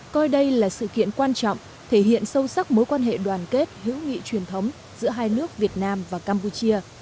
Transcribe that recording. coi đây là sự kiện quan trọng thể hiện sâu sắc mối quan hệ đoàn kết hữu nghị truyền thống giữa hai nước việt nam và campuchia